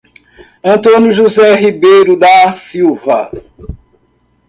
Antônio José Ribeiro da Silva